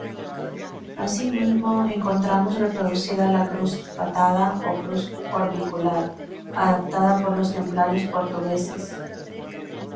Asimismo, encontramos reproducida la cruz patada o cruz orbicular, adaptada por los templarios portugueses.